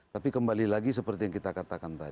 tapi kembali lagi seperti yang kita katakan tadi